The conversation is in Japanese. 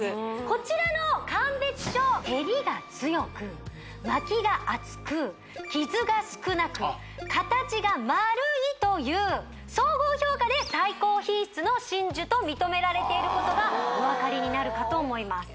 こちらの鑑別書てりが強くまきが厚くきずが少なくかたちが丸いという総合評価で最高品質の真珠と認められていることがお分かりになるかと思います